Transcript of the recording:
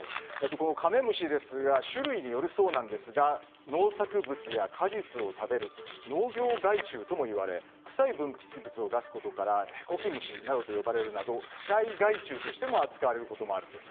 このカメムシですが種類によるそうなんですが農作物や果実を食べる農業害虫とも呼ばれ臭い分泌物を出すことからヘコキムシなどと呼ばれるなど不快害虫としても扱われることもあるんです。